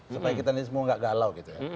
supaya kita ini semua nggak galau gitu ya